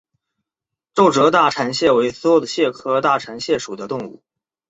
皱褶大蟾蟹为梭子蟹科大蟾蟹属的动物。